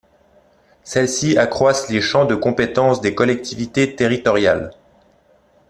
Celles-ci accroissent les champs de compétence des collectivités territoriales.